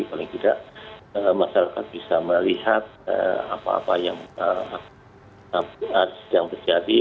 paling tidak masyarakat bisa melihat apa apa yang sedang terjadi